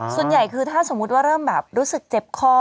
ส่วนใหญ่คือถ้าสมมุติว่าเริ่มแบบรู้สึกเจ็บคอ